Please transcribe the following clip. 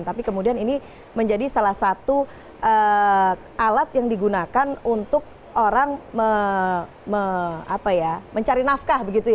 tapi kemudian ini menjadi salah satu alat yang digunakan untuk orang mencari nafkah begitu ya